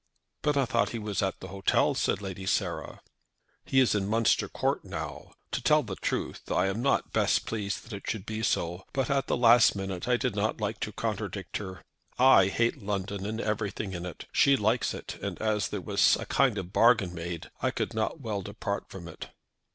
"But I thought he was at the hotel," said Lady Sarah. "He is in Munster Court, now. To tell the truth I am not best pleased that it should be so; but at the last moment I did not like to contradict her. I hate London and everything in it. She likes it, and as there was a kind of bargain made I could not well depart from it."